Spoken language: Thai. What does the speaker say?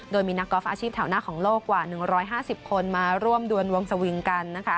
โดยมีนักกอล์ฟอาชีพแถวหน้าของโลกกว่า๑๕๐คนมาร่วมดวนวงสวิงกันนะคะ